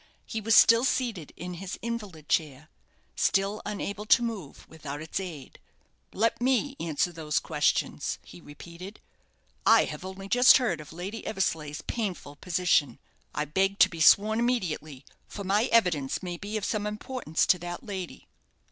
He was still seated in his invalid chair still unable to move without its aid. "Let me answer those questions," he repeated. "I have only just heard of Lady Eversleigh's painful position. I beg to be sworn immediately, for my evidence may be of some importance to that lady."